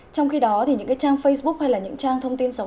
trong khi đó thì những cái trang facebook hay là những trang thông tin xấu